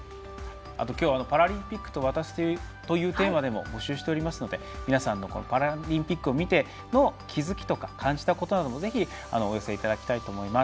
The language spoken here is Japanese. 今日はパラリンピックという私というテーマでも募集しておりますので皆さん、パラリンピックを見ての気付きとか感じたことなどもぜひお寄せいただければと思います。